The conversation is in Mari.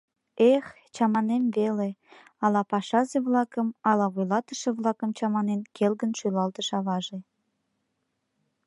— Эх, чаманем веле, — ала пашазе-влакым, ала вуйлатыше-влакым чаманен, келгын шӱлалтыш аваже.